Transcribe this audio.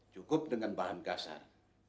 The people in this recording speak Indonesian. cukup dengan bahan kasar